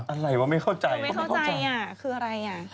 อะไรวะไม่เข้าใจว่าไม่เข้าใจอ่ะคืออะไรอ่ะ